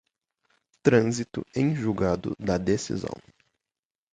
trânsito em julgado da decisão